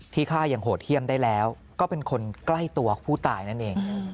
ฆ่าอย่างโหดเยี่ยมได้แล้วก็เป็นคนใกล้ตัวผู้ตายนั่นเอง